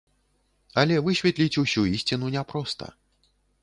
Але высветліць усю ісціну няпроста.